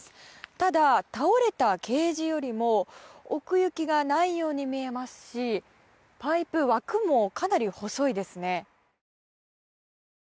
ただ、倒れたケージよりも奥行きがないように見えますしパイプ枠もかなり細いですね。